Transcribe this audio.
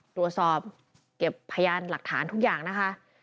ตรวจสอบเก็บพยานหลักฐานทุกอย่างนะคะ